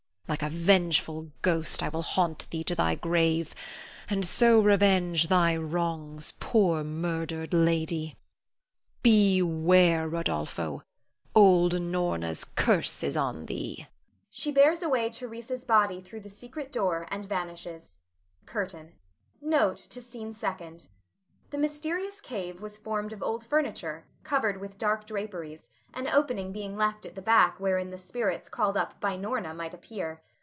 Like a vengeful ghost I will haunt thee to thy grave, and so revenge thy wrongs, poor, murdered lady. Beware, Rodolpho! Old Norna's curse is on thee. [She bears away Theresa's body through the secret door, and vanishes. CURTAIN. NOTE TO SCENE SECOND. The mysterious cave was formed of old furniture, covered with dark draperies, an opening being left at the back wherein the spirits called up by Norna might appear.